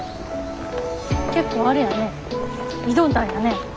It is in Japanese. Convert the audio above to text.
結構あれやね挑んだんやね。